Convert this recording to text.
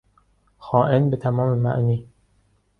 خائن به تمام معنی